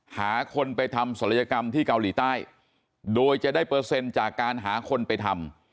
หาคนไปทำศัลยกรรมที่เกาหลีใต้โดยจะได้เปอร์เซ็นต์จากการหาคนไปทำ